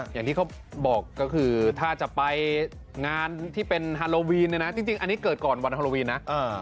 อย่างที่เขาบอกก็คือถ้าจะไปงานที่เป็นฮาโลวีนเนี่ยนะจริงอันนี้เกิดก่อนวันฮาโลวีนนะ